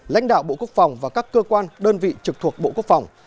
lãnh đạo bộ quốc phòng và các cơ quan đơn vị trực thuộc bộ quốc phòng